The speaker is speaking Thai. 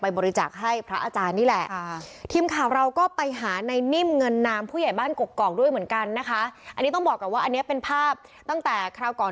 ไปบริจักษ์ให้พระอาจารย์นี่แหละ